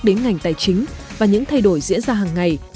đến ngành tài chính và những thay đổi diễn ra hàng ngày